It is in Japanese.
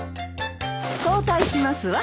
交代しますわ。